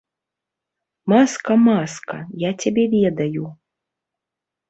Маска, маска, я цябе ведаю.